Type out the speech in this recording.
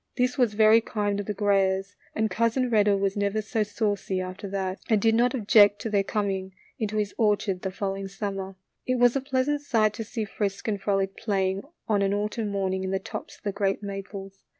This was very kind of the Grayers, and Cousin Redder was never so saucy after that, and did not object to their coming into his orchard the following summer. It was a pleasant sight to see Frisk and Frolic playing on an autumn morning in the tops of the great maples.